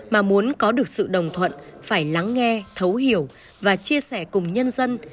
mà muốn có được sự đồng thuận phải lắng nghe thấu hiểu và chia sẻ cùng nhân dân